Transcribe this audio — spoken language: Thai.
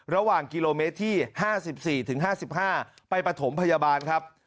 ระหว่างกิโลเมตรที่ห้าสิบสี่ถึงห้าสิบห้าไปประถมพยาบาลครับ